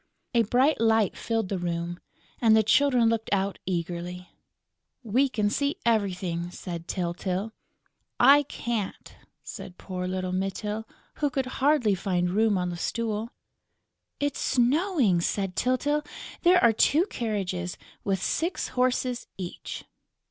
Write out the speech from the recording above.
A bright light filled the room; and the Children looked out eagerly: "We can see everything!" said Tyltyl. "I can't," said poor little Mytyl, who could hardly find room on the stool. "It's snowing!" said Tyltyl. "There are two carriages, with six horses each!"